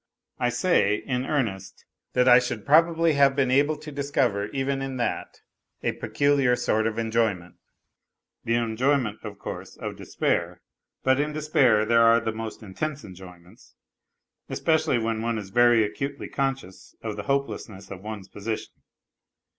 I say, in earnest, that I should probably have been able to discover even in that a peculiar sort of enjoyment the enjoyment, of course, of despair; but in despair there are the most intense enjoyments, especially when one is very acutely conscious of the hopelessness of one's position.